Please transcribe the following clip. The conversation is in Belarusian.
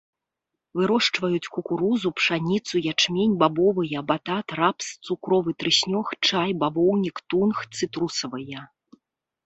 Вырошчваюць кукурузу, пшаніцу, ячмень, бабовыя, батат, рапс, цукровы трыснёг, чай, бавоўнік, тунг, цытрусавыя.